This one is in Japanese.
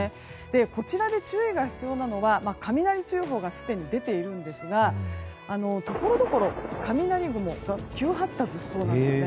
こちらで注意が必要なのが雷注意報がすでに出ているんですがところどころ雷雲が急発達しそうなんですね。